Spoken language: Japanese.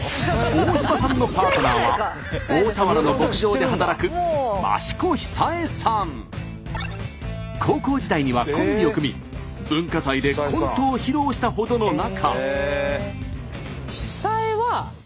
大島さんのパートナーは大田原の牧場で働く高校時代にはコンビを組み文化祭でコントを披露したほどの仲。